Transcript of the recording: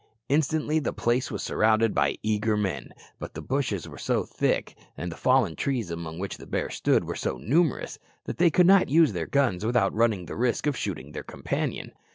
Instantly the place was surrounded by eager men; but the bushes were so thick, and the fallen trees among which the bear stood were so numerous, that they could not use their guns without running the risk of shooting their companion.